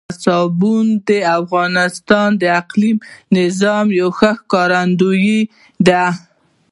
سیلابونه د افغانستان د اقلیمي نظام یو ښه ښکارندوی ده.